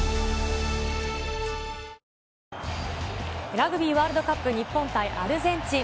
ラグビーワールドカップ、日本対アルゼンチン。